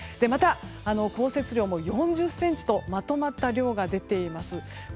また降雪量も４０ｃｍとまとまった量が出ています。